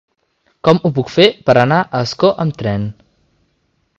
Com ho puc fer per anar a Ascó amb tren?